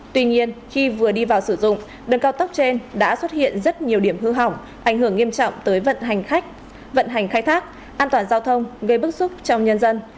tuy nhiên khi vừa đi vào sử dụng đường cao tốc trên đã xuất hiện rất nhiều điểm hư hỏng ảnh hưởng nghiêm trọng tới vận hành khách vận hành khai thác an toàn giao thông gây bức xúc trong nhân dân